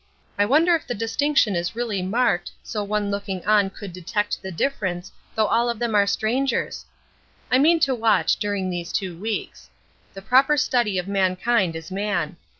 I wonder if the distinction is really marked, so one looking on could detect the difference, though all of them are strangers? I mean to watch during these two weeks. 'The proper study of mankind is man.'